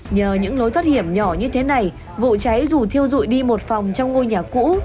nhờ những lối thoát hiểm nhỏ như thế này vụ cháy dù thiêu dụi đi một phòng trong ngôi nhà cũ